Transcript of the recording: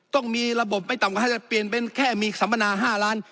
ต้องมีระบบไม่ต่ำกว่าค่าจะเปลี่ยนเป็นแค่มีสัมมนา๕ล้าน